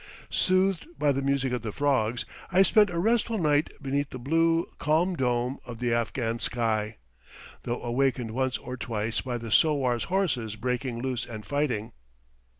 Soothed by the music of the frogs I spend a restful night beneath the blue, calm dome of the Afghan sky, though awakened once or twice by the sowars' horses breaking loose and fighting.